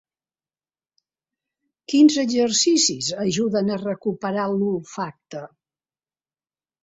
Quins exercicis ajuden a recuperar l’olfacte?